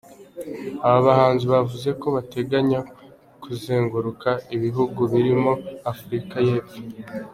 Aba bahanzi bavuze ko bateganya kuzenguruka ibihugu birimo Afurika y’Epfo.